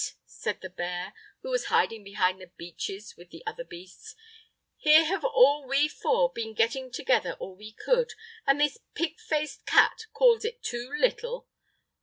said the bear, who was hiding behind the beeches with the other beasts, "here have all we four been getting together all we could, and this pig faced cat calls it too little!